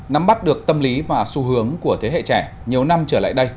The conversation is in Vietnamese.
nắm bắt được tâm lý và xu hướng của thế hệ trẻ nhiều năm trở lại đây